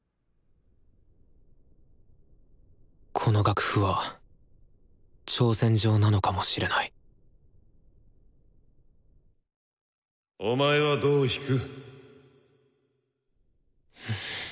この楽譜は挑戦状なのかもしれないお前はどう弾く？